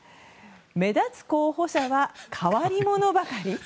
目立つ候補者は変わり者ばかり？